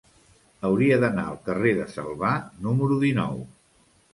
Hauria d'anar al carrer de Salvà número dinou.